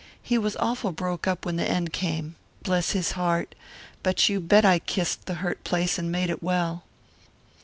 He was awful broke up when the end came. Bless his heart. But you bet I kissed the hurt place and made it well.